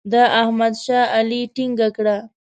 د احمد شا علي ټینګه کړه.